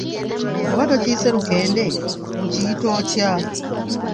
Bw'oba tokiyise lukende okiyita otya?